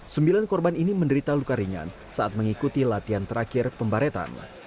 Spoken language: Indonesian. sembilan korban ini menderita luka ringan saat mengikuti latihan terakhir pembaretan